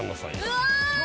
うわ！